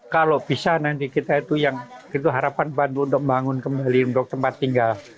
kalau bisa nanti kita itu yang itu harapan bandung untuk membangun kembali untuk tempat tinggal